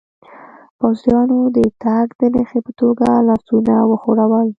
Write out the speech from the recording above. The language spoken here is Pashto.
پوځیانو د تګ د نښې په توګه لاسونه و ښورول.